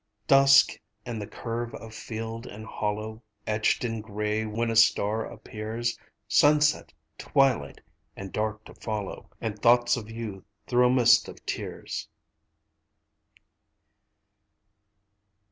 Dusk, and the curve of field and hollow Etched in gray when a star appears: Sunset,... twilight,... and dark to follow,... And thoughts of you thro' a mist of tears.